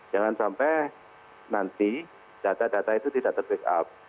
jangan sampai nanti data data itu tidak ter backup